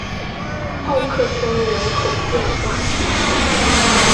奥克松人口变化图示